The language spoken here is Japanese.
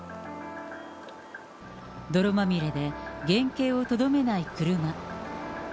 泥まみれで原形をとどめない車。